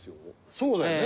そうだよね。